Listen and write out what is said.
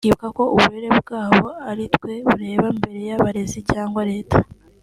tukibuka ko uburere bwabo ari twe bureba mbere y’abarezi cyangwa Leta